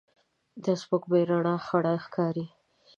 د سپوږمۍ رڼا خړه ښکاري